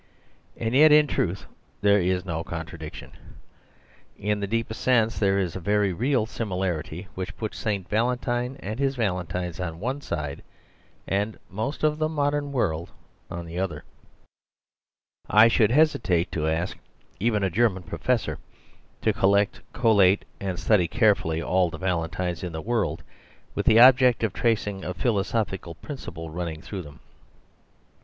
And yet in truth there is no contradiction. In the deepest sense there is a very real similarity, which puts St Valentine and his valentines on one side, and most of the modern world on the »3 84 The Superstition of Divorce other. I should hesitate to ask even a German professor to collect, collate and study care fully all the valentines in the world, with the object of tracing a philosophical principle running through them.